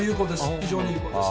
非常に有効です。